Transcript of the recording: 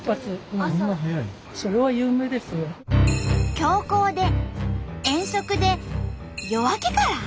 強行で遠足で夜明けから？